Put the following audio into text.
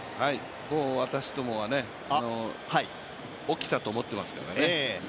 もう私どもは、起きたと思ってますからね。